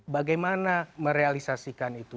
bagaimana merealisasikan itu